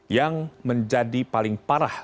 yang menjadi paling parah